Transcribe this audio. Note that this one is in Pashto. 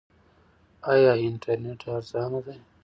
آیا انټرنیټ ارزانه دی؟